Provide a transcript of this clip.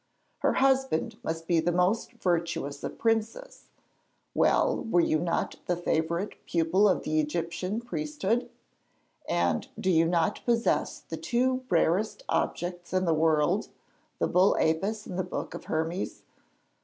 Her husband must be the most virtuous of princes. Well, were you not the favourite pupil of the Egyptian priesthood? And do you not possess the two rarest objects in the world, the bull Apis and the book of Hermes?